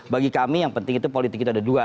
bagi kami yang penting itu politik kita ada dua